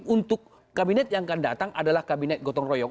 untuk kabinet yang akan datang adalah kabinet gotong royong